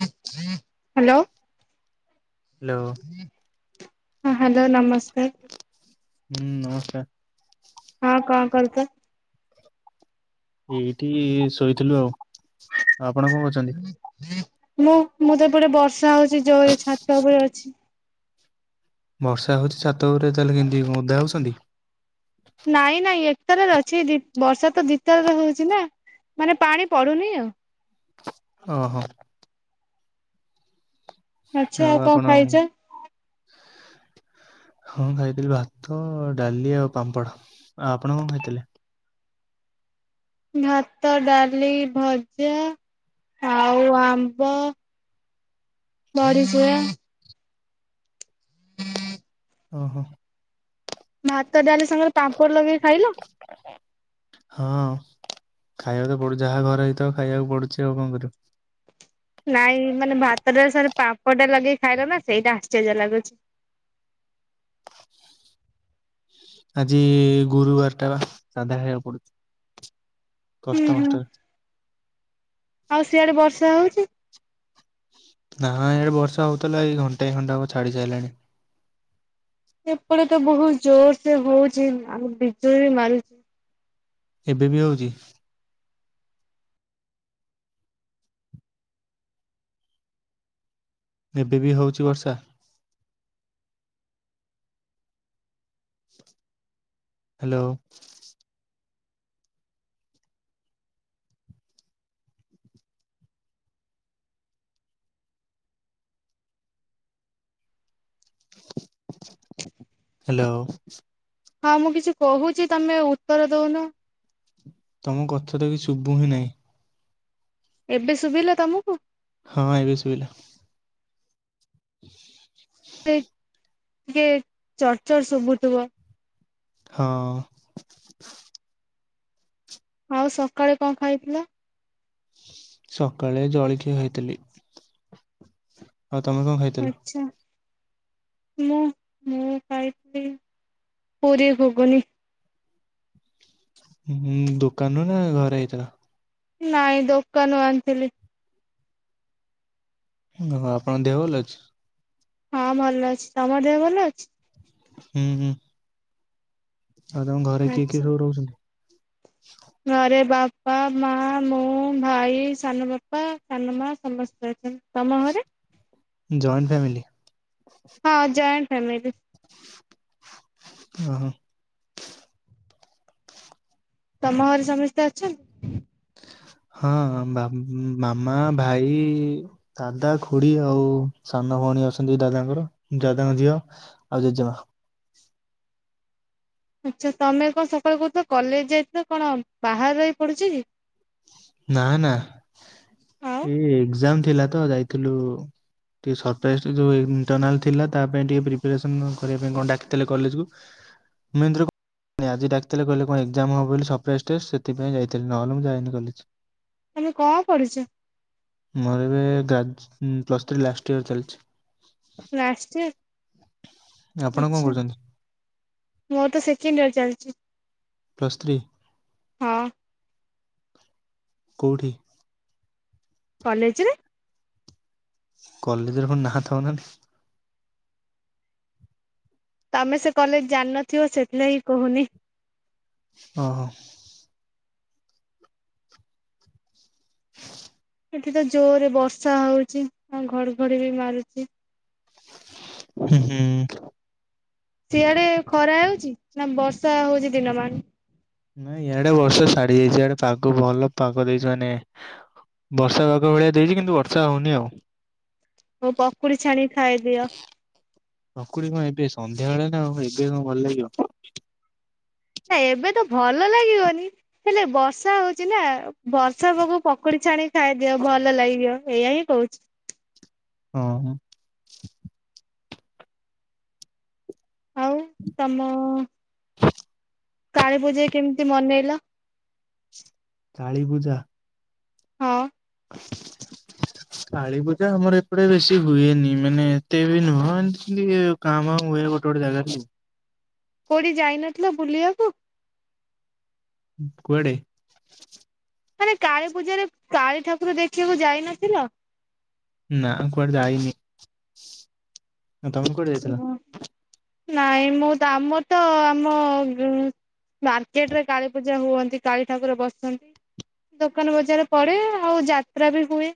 Hello. Hello. ହଁ hello, ନମସ୍କାର। ହୁଁ, ନମସ୍କାର। ହଁ କଣ କରୁଚ? ଏଇଠି ଶୋଇଥିଲୁ ଆଉ, ଆପଣ କଣ କରୁଚନ୍ତି? ମୁଁ ମୁଁ ତ ଏପଟେ ବର୍ଷା ହଉଛି ଜୋରେ ଛାତ ଉପରେ ଅଛି। ବର୍ଷା ହଉଛି ଛାତ ଉପରେ ଚାଲିକି ମୁଁ କେମିତି ଯିବି ଓଦା ହେଉଛନ୍ତି। ନାଇଁ ନାଇଁ ଏକ ତାଲାରେ ଅଛି ବର୍ଷା ତ ଦି ତାଲାରେ ହଉଛି ନା। ମାନେ ପାଣି ପଡୁନି ଆଉ। ଓହୋ। ଆଚ୍ଛା ଆଉ କଣ ଖାଇଛ? ହଁ ଖାଇଥିଲି ଭାତ, ଡାଲି, ଆଉ ପାମ୍ପଡ଼ ଆ ଆପଣ କଣ ଖାଇଥିଲେ? ଭାତ, ଡାଲି, ଭଜା ଆଉ ଆମ୍ବ। ବଡ଼ିଚୁରା। ଓ ହୋ। ଭାତ ଡାଲି ସାଙ୍ଗରେ ପାମ୍ପଡ଼ ଲଗେଇକି ଖାଇଲ? [unintelligible] ହଁ ଖାଇବା ତ ପଡୁ ଯାହା ଘର ହେଇଥିବ ଖାଇବାକୁ ପଡୁଛି ଆଉ କଣ କରିବୁ। ନାଇଁ ମାନେ ଭାତ, ଡାଲି ସାଙ୍ଗରେ ପାମ୍ପଡ଼ ଟା ଲଗେଇ ଖାଇଲ ନା ସେଇଟା ଆଶ୍ଚର୍ଯ୍ୟ ଲାଗୁଛି। ଆଜି ଗୁରୁବାର ଟା ବା ସାଧା ଖାଇବା ପଡୁଛି ହୁଁ ହୁଁ କଷ୍ଟମଷ୍ଟରେ। ଆଉ ସିଆଡେ ବର୍ଷା ହଉଛି? ନା ଇଆଡ଼େ ବର୍ଷା ହେଉଥିଲା ଏଇ ଘଣ୍ଟାଏ ଖଣ୍ଡେ ହେବ ଛାଡ଼ି ସାରିଲାଣି। ସେପଟେ ତ ବହୁତ ଜୋର ସେ ହଉଛି, ଆଉ ବିଜୁଳି ବି ମାରୁଛି। ଏବେ ବି ହଉଛି? ଏବେ ବି ହେଉଛି ବର୍ଷା? ହ୍ୟାଲୋ। ହ୍ୟାଲୋ। ହଁ ମୁଁ କିଛି କହୁଛି ତମେ ଉତ୍ତର ଦୋଉନ? ତମ କଥା ତ କିଛି ଶୁଭୁ ହିଁ ନାହିଁ। ଏବେ ଶୁଭିଲା ତମକୁ? ହଁ ଏବେ ସୁବିଲା। [unintelligible] ସେ ଟିକେ ଚର୍ଚର ଶୁଭୁଥିବ। ହଁ। ଆଉ ସକାଳେ କଣ ଖାଇଥିଲ? ସକାଳେ ଜଳଖିଆ ଖାଇଥିଲି। ହଉ ତମ କଣ ଖାଇଚ? ଆଚ୍ଛା। ମୁଁ ମୁଁ ଖାଇଥିଲି ପୁରୀ ଘୁଗୁନି। ଦୋକାନରୁ ନା ଘରେ ହେଇଥିଲା? ନାଇଁ ଦୋକାନରୁ ଆଣିଥିଲି। ହଁ ଆପଣଙ୍କ ଦେହ ଭଲ ଅଛି? ହଁ ଭଲ ଅଛି, ତମର ଦେହ ଭଲ ଅଛି? ହୁଁ ହୁଁ। ଆଉ ତମ ଘରେ କିଏ କିଏ ଆଚ୍ଛା ସବୁ ରହୁଛନ୍ତି? ଘରେ ବାପା, ମା, ମୁଁ, ଭାଇ, ସାନ ବାପା, ସାନ ମା ସମସ୍ତେ ଅଛନ୍ତି। ତମ ଘରେ ଜଏଣ୍ଟ ଫ୍ୟାମିଲି। ହଁ ଜଏଣ୍ଟ ଫ୍ୟାମିଲି। ଓ ହୋ। ତମ ଘରେ ସମସ୍ତେ ଅଛନ୍ତି? ହଁ ବା ମାମା ଭାଇ ଦାଦା, ଖୁଡି ଆଉ ସାନ ଭଉଣୀ ଅଛନ୍ତି ଦାଦାଙ୍କର, ଦାଦାଙ୍କ ଝିଅ ଆଉ ଜେଜେମା। ଆଛା, ତମେ କଣ ସକାଳୁ କହୁଥିଲ, କଲେଜ ଯାଇଥିଲ, କଣ ବାହାରେ ରହି ପଡୁଚ କି? ନା ନା, ଆଉ ଏଇ ଏକ୍ଜାମ ଥିଲା ତ, ଯାଇଥିଲୁ ଉ ଟିକେ ସରପ୍ରାଇଜ୍ ଯେଉଁ ଇଣ୍ଟର୍ନାଲ୍ ଥିଲା, ତା ପାଇଁ ଟିକେ ପ୍ରିପାରେସନ୍ କରିବା ପାଇଁ କଣ ଡାକିଥିଲେ କଲେଜକୁ [unintelligible] ଆଜି ଡାକିଥିଲେ କହିଲେ କଣ ଏକ୍ଜାମ ହବ ବୋଲି ସରପ୍ରାଇଜ ଟେଷ୍ଟ, ସେଥିପାଇଁ ଯାଇଥିଲି, ନହେଲେ ମୁଁ ଯାଏନି କଲେଜ। ତମେ ଙ୍କ ପଢିଚ? ମୋର ଏବେ ଗ୍ରାଜୁ, ପ୍ଲସ୍ ଥ୍ରୀ ଲାଷ୍ଟ ଇୟର ଚାଲିଚି। ଲାଷ୍ଟୟର। ଆପଣ କଣ କରୁଚନ୍ତି? ମୋର ତ ସେକେଣ୍ଡ ଇୟର ଚାଲିଚି, ପ୍ଲସ୍ ଥ୍ରୀ ହଁ। କୋଉଠି? କଲେଜରେ। କଲେଜର କଣ ନା ଥବ ନା ନାଇଁ? ତମେ ସେ କଲେଜ ଜାଣି ନଥିବ, ସେଥିଲାଗି କହୁନି। ଓ ହୋ। ଏଠି ତ ଜୋର ରେ ବର୍ଷା ହଉଚି, ଆଉ ଘଡଘଡି ବି ମାରୁଚି। ହୁଁ ହୁଁ। ସିଆଡେ ଖରା ହେଉଚି, ନା ବର୍ଷା ହଉଛି ଦିନମାନ ନାଇଁ ଇଆଡେ ବର୍ଷ ସାଡି ଯାଇଚି, ଆଡେ ପାଗ ଭଲ ପାଗ ଦେଇଚି, ମାନେ ବର୍ଷା ପାଗ ଭଳିଆ ଦେଇଚି କିନ୍ତୁ ବର୍ଷା ହଉନି ଆଉ। ହଁ, ପକୁଡି ଛାଣି ଖାଇଦିଅ। ପକୁଡି କଣ ଏବେ ସନ୍ଧ୍ୟା ବେଳେ ନା, ଆଉ ଏବେ କଣ ଭଲ ଲାଗିବ? ନା, ଏବେ ତ ଭଲ ଲାଗିବନି ହେଲେ ବର୍ଷା ହଉଚି ନା, ବର୍ଷା ପାଗକୁ ପକୁଡି ଛାଣି ଖାଇଦିଅ, ଭଲ ଲାଗିବ, ଏଇୟା ହିଁ କହୁଚି। ହଁ ହଁ। ଆଉ, ତମ କାଳୀ ପୂଜା କେମିତି ମନେଇଲ? କାଳୀପୂଜା? ହଁ। [unintelligible] କାଳୀ ପୂଜା ଆମର ଏପଟେ ବେଶି ହୁଏନି, ମାନେ, ଏତେ ବି ନୁହଁ ଏମିତି ଙ୍କା ଭା ହୁଏ ଗୋଟେ ଗୋଟେ ଜାଗାରେ ଆଉ। କୋଉଠି ଯାଇନଥିଲ, ବୁଲିଆକୁ? କୁଆଡେ? ମାନେ କାଳୀ ପୂଜାରେ, କାଳୀ ଠାକୁର ଦେଖିବାକୁ ଯାଇନଥିଲ? ନା, କୁଆଡେ ଯାଇନି। ଆଉ ତମେ କୁଆଡେ ଯାଇଥିଲ? ନାଇଁ ମୁଁ, ଆମ ତ ଆମ ମାର୍କେଟ ରେ କାଳୀ ପୂଜା ହୁଅନ୍ତି, କାଳୀ ଠାକୁର ବସନ୍ତି। ଦୋକାନ ବଜାର ପଡେ, ଆଉ ଯାତ୍ରା ବି ହୁଏ।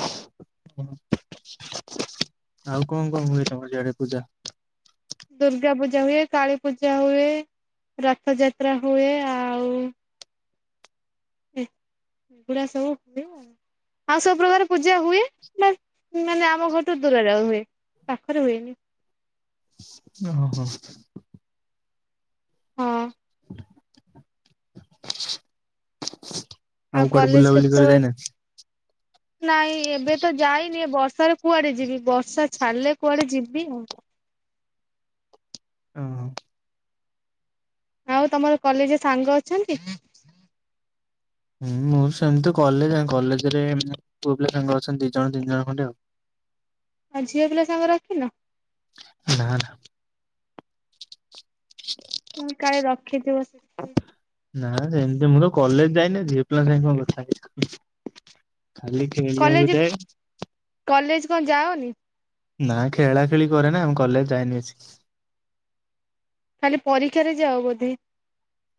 ଆଉ କଣ, କଣ ହୁଏ ତମର ଆଡେ ପୂଜା? ଦୁର୍ଗା ପୂଜା ହୁଏ, କାଳୀ ପୂଜା ହୁଏ, ରଥଯାତ୍ରା ହୁଏ, ଆଉ ଏଗୁଡ଼ା ସବୁ ହୁଏ ଆଉ। ଆଉ ସବୁ ପ୍ରକାର ପୂଜା ହୁଏ, ବା, ମାନେ ଆମ ଘରଠୁ ଦୂରରେ ହୁଏ। ପାଖରେ ହୁଏନି। ଓ ହଁ। ହଁ। ଆଉ କୁଆଡେ କଲେଜ ବୁଲାବୁଲି କରିବାକୁ କେତେବେଳେ ଯାଇନାନ୍ତି? ନାଇଁ ଏବେ ତ ଯାଇନି ବର୍ଷାରେ କୁଆଡେ ଯିବି ବର୍ଷା ଛାଡିଲେ କୁଆଡେ ଯିବି ଆଉ। ଅଁ। ଆଉ ତମର କଲେଜରେ ସାଙ୍ଗ ଅଛନ୍ତି? ହୁଁ ମୁଁ ସେମିତି କଲେଜ କଲେଜରେ ପୁଅ ପିଲା ସାଙ୍ଗ ଅଛନ୍ତି ଦି ଜଣ ତିନି ଜଣ ଖଣ୍ଡେ ଆଉ। ଆଉ ଝିଅ ପିଲା ସାଙ୍ଗ ରଖିନ? ନାଁ ନାଁ। କାଳେ ରଖିଥିବ ସେ ନା ସେମିତି ମୁଁ ତ କଲେଜ ଯାଇନି ଝିଅ ପିଲା ସା କଣ କଥା ହେଇ, ଖାଲି ଖେଳିବାକୁ କଲେଜ- ଯାଏ କଲେଜ କଣ ଯାଅନି? ନା ଖେଳା ଖେଳି କରେ ନା ଆମ କଲେଜ ଯାଏନି ବେଶୀ। ଖାଲି ପରୀକ୍ଷାରେ ଯାଅ ବୋଧେ?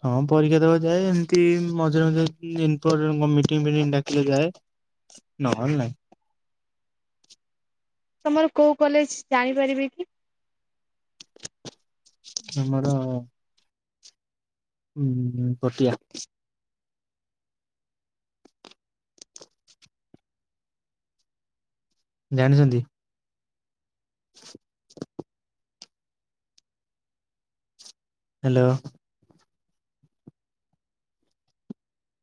ହଁ ପରୀକ୍ଷା ଦେବା ଯାଏ ଏମିତି ମଝିରେ ମଝରେ ଇମ୍ପ୍ ମିଟିଂ ଫିଟିଙ୍ଗ୍ ଡାକିଲେ ଯାଏ। ନହେଲେ ନାଇଁ। ତମର କୋଉ କଲେଜ ଜାଣିପାରିବି କି? ଆମର ହୁଁ ହୁଁ ପଟିଆ। ଜାଣିଛନ୍ତି? [inaudible] ହ୍ୟାଲୋ।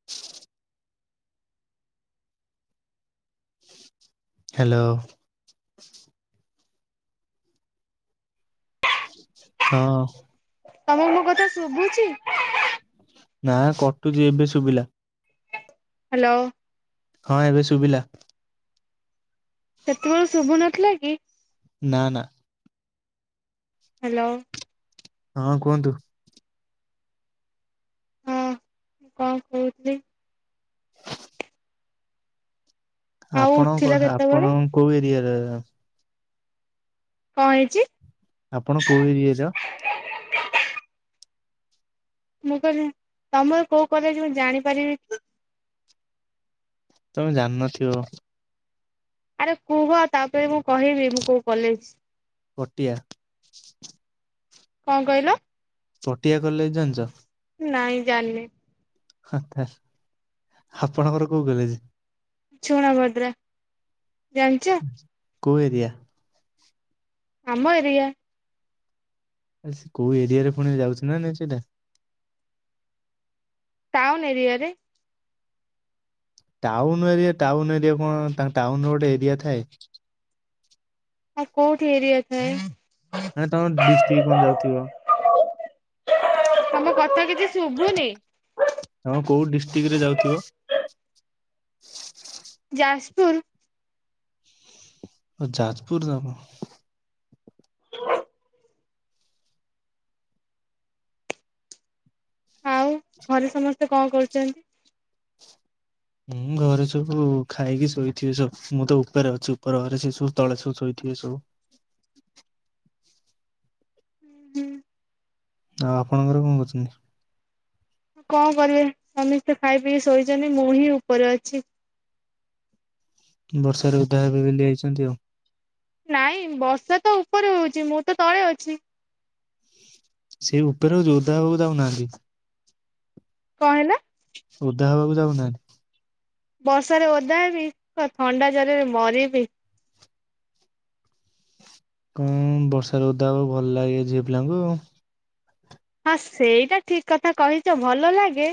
ହ [unintelligible] ହ୍ୟାଲୋ। ହଁ। ତମେ ମୋ କଥା ଶୁଭୁଛି? ନା କଟୁଛି ଏବେ ଶୁଭିଲା। ହ୍ୟାଲୋ। ହଁ ଏବେ ଶୁଭିଲା। ସେତେବେଳୁ ଶୁଭୁ ନଥିଲା କି? ନାଁ ନାଁ। ହ୍ୟାଲୋ। ହଁ କୁହନ୍ତୁ। ହଁ, କଣ କହୁଥିଲି? ଆଉ ଉଠିଲ ଆପଣଙ୍କ କେତେବେଳେ ଆପଣ କୋଉ ଏରିଆରେ କଣ ହେଇଛି? ଆପଣ କୋଉ ଏରିଆର? ମୁଁ କହିଲି ତମର କୋଉ କଲେଜ କି ମୁଁ ଜାଣିପାରିବି କି? ତମେ ଜାଣିନଥିବ। ଆରେ କୁହ ତାପରେ ମୁଁ କହିବି ମୁଁ କୋଉ କଲେଜ। ପଟିଆ। କଣ କହିଲ? ପଟିଆ କଲେଜ ଜାଣିଛ? ନାଇଁ ଜାଣିନି। ହଥା ଆପଣଙ୍କର କୋଉ କଲେଜେ? ଚୁଣାଭଦ୍ରା ଜାଣଚ? କୋଉ ଏରିଆ? ଆମ ଏରିଆ। ଆ ସେ କୋଉ ଏରିଆରେ ପୁଣି ଯାଉଚି ନାଁ ନାଇଁ ସେଇଟା? ଟାଉନ୍ ଏରିଆରେ। ଟାଉନ୍ ଏରିଆ ଟାଉନ୍ ଏରିଆ କଣ ଟା ଟାଉନ୍ ର ଗୋଟେ ଏରିଆ ଥାଏ? ଆଉ କୋଉଠି ଏରିଆ ଥାଏ? ନାଇଁ ତମ ଡିଷ୍ଟିକ୍ କଣ ଯାଉଥିବ। ତମ କଥା କିଛି ଶୁଭୁନି। ତମେ କୋଉ ଡିଷ୍ଟିକ୍ ରେ ଯାଉଥିବ? ଯାସପୁର। ଓ ଯାଜପୁର ତମ। ଆଉ ଘରେ ସମସ୍ତେ କଁ କରୁଚନ୍ତି? ମୁଁ ଘରେ ସବୁ ଖାଇକି ଶୋଇଥିବେ ସବୁ ମୁଁ ତ ଉପରେ ଅଛି ଉପର ଘରେ ସେ ସବୁ ତଳେ ସବୁ ଶୋଇଥିବେ ସବୁ। ହୁଁ ଆଉ ଆପଣଙ୍କ ଘରେ କଁ କରୁଚନ୍ତି? କଁ କରିବେ ସମିସ୍ତେ ଖାଇ ପିଇ ଶୋଇଚନ୍ତି ମୁଁ ହିଁ ଉପରେ ଅଛି। ବର୍ଷାରେ ଓଦା ହେବେ ବେଲି ଆଇଚନ୍ତି ଆଉ। ନାଇଁ ବର୍ଷା ତ ଉପରେ ହୋଉଚି ମୁଁ ତ ତଳେ ଅଛି। ସେ ଉପରେ ଓ ଯୋଉ ଓଦା ହବାକୁ ଯାଉନାହାନ୍ତି। କଁ ହେଲା? ଓଦା ହେବାକୁ ଯାଉନାହାନ୍ତି? ବର୍ଷାରେ ଓଦା ହେବି ତ ଥଣ୍ଡା ଜରରେ ମରିବି। କଁ ବର୍ଷରେ ଓଦା ହବାକୁ ଭଲ ଲାଗେ ଝିଅ ପିଲାଙ୍କୁ। ହଁ ସେଇଟା ଠିକ୍ କଥା କହିଚ ଭଲ ଲାଗେ।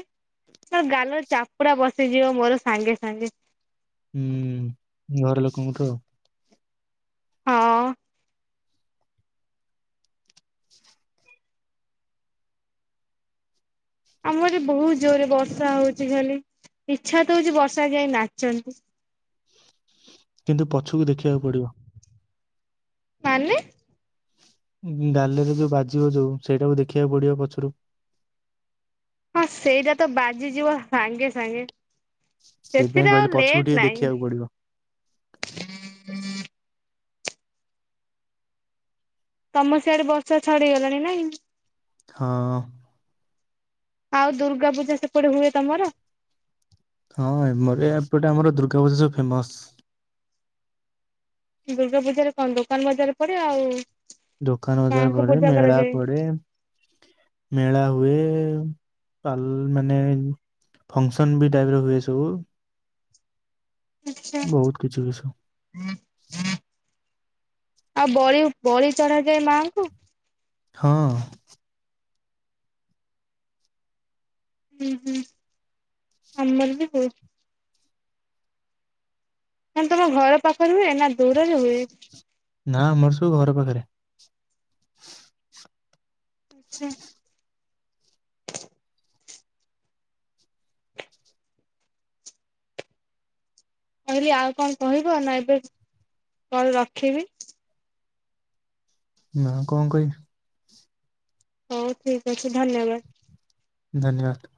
ନ ଗାଲ ଚାପୁଡ଼ା ବସିଯିବ ମୋର ସାଙ୍ଗେ ସାଙ୍ଗେ। ହୁଁ ଘର ଲୋକଙ୍କଠୁ ଆଉ। ହଁ ଆମ ଏଠି ବହୁତ ଜୋରେ ବର୍ଷା ହଉଚି ଖାଲି ଇଚ୍ଛା ତ ହଉଚି ବର୍ଷାରେ ଯାଇ ନାଚନ୍ତି। କିନ୍ତୁ ପଛୁକୁ ଦେଖିବାକୁ ପଡ଼ିବ। ମାନେ? ଉଁ ଗାଲରେ ଯୋଉ ବାଜିବ ଯୋଉ ସେଇଟାକୁ ଦେଖିବାକୁ ପଡ଼ିବ ପଛରୁ। ହଁ ସେଇଟା ତ ବାଜିଯିବ ସାଙ୍ଗେ ସାଙ୍ଗେ ସେଇଥିପାଇଁ ସେଥିରେ କହିଲି ଆଉ ପଛକୁ ଲେଟ୍ ଟିକେ ନାଇଁ। ଦେଖିବାକୁ ପଡିବ। ତମ ସିଆଡ଼େ ବର୍ଷା ଛାଡ଼ି ଗଲାଣି, ନାଇଁ? ହଁ। ଆଉ ଦୁର୍ଗା ପୂଜା ସେପଟେ ହୁଏ ତମର? ହଁ ଏମରି ଏପଟେ ଆମର ଦୁର୍ଗା ପୂଜା ସବୁ ଫେମସ୍। ଦୁର୍ଗା ପୂଜାରେ କଣ ଦୋକାନ ବଜାର ପଡେ ଆଉ ଦୋକାନ ବଜାର ମାଙ୍କୁ ପଡ଼େ ପୂଜା ମେଳା କରାଯାଏ ପଡ଼େ। ମେଳା ହୁଏ ପାଲ୍ ମାନେ ଫଙ୍କସନ୍ ବି ଟାଇପ୍ ର ହୁଏ ସବୁ। ଆଛା ବହୁତ କିଛି ହୁଏ ସବୁ। ଆଉ ବଳି ବଳି ଚଢ଼ା ଯାଏ ମାଙ୍କୁ? ହଁ। ହୁଁ ହୁଁ ଆମର ବି ହୁଏ। ନହେଲେ ତମ ଘର ପାଖରେ ହୁଏ ନା ଦୂରରେ ହୁଏ? ନା ଆମର ସବୁ ଘର ପାଖରେ। ଆଚ୍ଛା କହିଲି ଆଉ କଣ କହିବ ନା ଏବେ କଣ ରଖିବି। ନା କଣ କହିବି? ହଉ ଠିକ୍ ଅଛି ଧନ୍ୟବାଦ। ଧନ୍ୟବାଦ।